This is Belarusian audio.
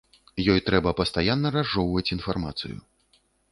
Ёй трэба пастаянна разжоўваць інфармацыю.